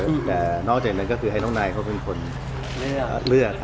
แนวจรรยังก็คือให้น้องนายเขาเป็นคนเลือก